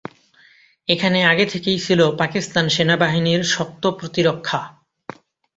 এখানে আগে থেকেই ছিল পাকিস্তান সেনাবাহিনীর শক্ত প্রতিরক্ষা।